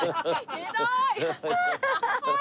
ひどい！